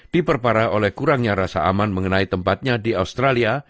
diperparah oleh kurangnya rasa aman mengenai tempatnya di australia